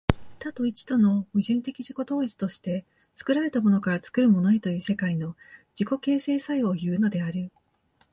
多と一との矛盾的自己同一として、作られたものから作るものへという世界の自己形成作用をいうのである。